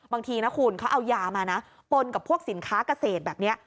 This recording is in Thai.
บางทีนะคุณเขาเอายามานะปนกับพวกสินค้าเกษตรแบบนี้